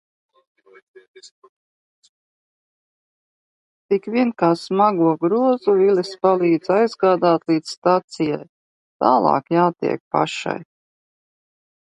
Tik vien kā smago grozu Vilis palīdz aizgādāt līdz stacijai, tālāk jātiek pašai.